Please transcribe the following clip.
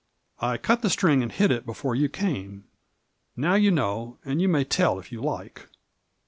" I cut the string and hid it before you came. Now you know, and you may tell if you like